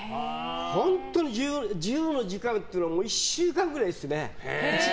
本当に自由の時間っていうのは１週間くらいですね。